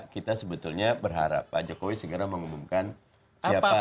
kita sebetulnya berharap pak jokowi segera mengumumkan siapa